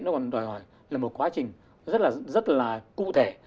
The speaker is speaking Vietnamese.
nó còn đòi hỏi là một quá trình rất là cụ thể